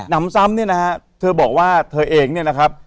นำซ้ำเนี่ยนะฮะเธอบอกว่าเธอเองเนี่ยนะครับ